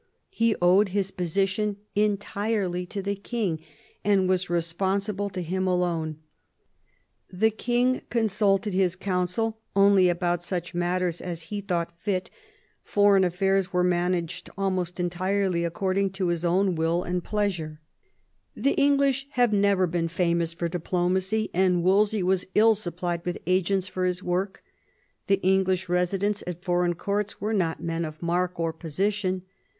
He owed his position entirely to the king, and was responsible to him alone. The king consulted his Council only about such matters as he thought fit; foreign affairs were managed almost entirely according to his own will and pleasure. II THE FRENCH ALLIANCE 81 The English have never been famous for diplomacy, and Wolsey was ill supplied with agents for his work. The English residents at foreign Courts were not men of mark or position.